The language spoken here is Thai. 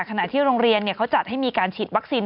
ขณะที่โรงเรียนเขาจัดให้มีการฉีดวัคซีน